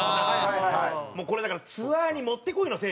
もうこれだからツアーに持ってこいの選手ね。